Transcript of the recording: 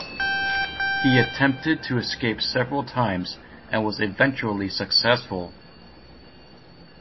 He attempted to escape several times, and was eventually successful.